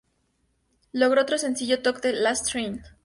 Logró otro sencillo, "Took The Last Train".